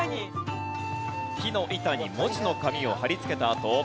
木の板に文字の紙を貼り付けたあと。